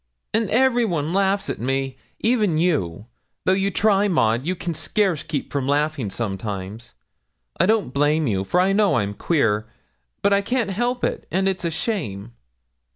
'An' every one laughs at me even you; though you try, Maud, you can scarce keep from laughing sometimes. I don't blame you, for I know I'm queer; but I can't help it; and it's a shame.'